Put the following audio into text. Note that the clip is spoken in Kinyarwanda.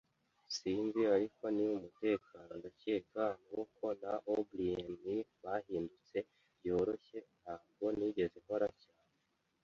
Sinzi, ariko ni umutekano. Ndakeka Amaboko na O'Brien bahindutse byoroshye. Ntabwo nigeze nkora cyane